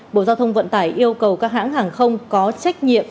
bộ giao thông vận tải yêu cầu các hãng hàng không có trách nhiệm